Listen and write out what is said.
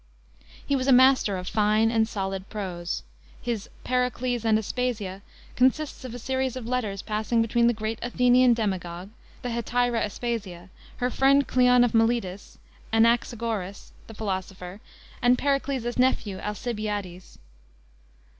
He was a master of fine and solid prose. His Pericles and Aspasia consists of a series of letters passing between the great Athenian demagogue, the hetaira, Aspasia, her friend, Cleone of Miletus, Anaxagorus, the philosopher, and Pericles's nephew, Alcibiades.